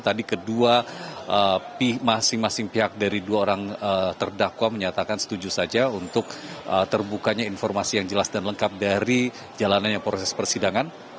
tadi kedua masing masing pihak dari dua orang terdakwa menyatakan setuju saja untuk terbukanya informasi yang jelas dan lengkap dari jalanan yang proses persidangan